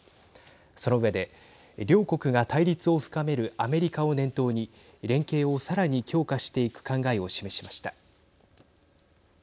その上で両国が対立を深めるアメリカを念頭に連携をさらに強化していく考えを示しました。